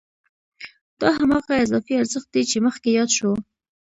دا هماغه اضافي ارزښت دی چې مخکې یاد شو